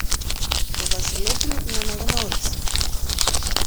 Το Βασιλόπουλο την αναγνώρισε.